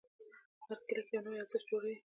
هر کلیک یو نوی ارزښت جوړوي.